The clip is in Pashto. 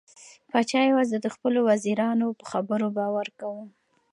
پاچا یوازې د خپلو وزیرانو په خبرو باور کاوه.